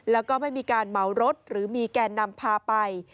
แล้วก็ไม่มีการเหมารถหรือมีแก่นำพาไป